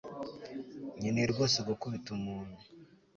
Nkeneye rwose gukubita umuntu